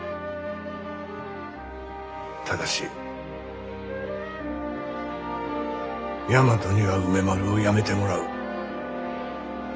ただし大和には梅丸をやめてもらう。